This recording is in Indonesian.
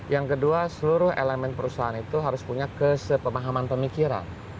yang kedua seluruh elemen perusahaan itu harus punya kesepemahaman pemikiran